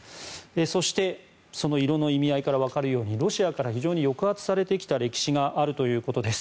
そして、その色の意味合いからもわかるようにロシアから非常に抑圧されてきた歴史があるということです。